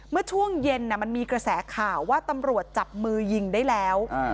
เมื่อช่วงเย็นมันมีกระแสข่าวว่าตำรวจจับมือยิงได้แล้ว